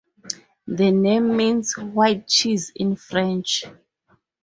The name means "white cheese" in French.